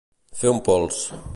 Fer un pols.